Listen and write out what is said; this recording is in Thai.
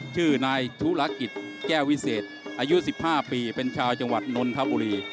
ชื่อนายธุรกิจแก้ววิเศษอายุ๑๕ปีเป็นชาวจังหวัดนนทบุรี